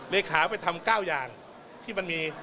เลขาไปทำ๙อย่างที่มันมี